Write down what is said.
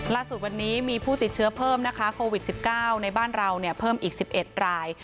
ล่าสุดวันนี้มีผู้ติดเชื้อเพิ่มนะคะโควิดสิบเก้าในบ้านเราเนี่ยเพิ่มอีกสิบเอ็ดราย